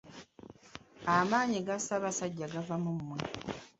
Amaanyi ga Ssaabasajja gava mu mwe.